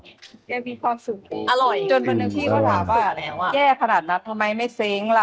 แกมีความสุขอร่อยสุขแล้วอะแย่ขนาดนั้นทำไมไม่ซิงค์ล่ะ